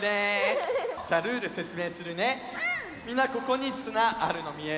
みんなここにつなあるのみえる？